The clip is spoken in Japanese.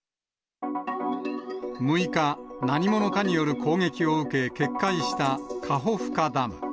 ６日、何者かによる攻撃を受け、決壊したカホフカダム。